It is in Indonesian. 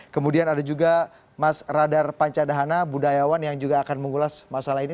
kemudian ada juga mas radar panca dahana budayawan yang juga akan mengulas masalah ini